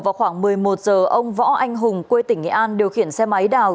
vào khoảng một mươi một giờ ông võ anh hùng quê tỉnh nghệ an điều khiển xe máy đào